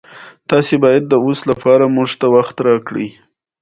کروندګر موږ ته ډوډۍ راکوي